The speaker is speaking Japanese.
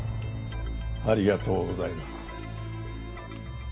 ありがとうございます。